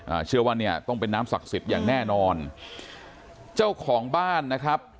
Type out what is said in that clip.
อ่าเชื่อว่าเนี่ยต้องเป็นน้ำศักดิ์สิทธิ์อย่างแน่นอนเจ้าของบ้านนะครับ